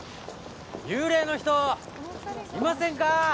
幽霊の人、いませんか？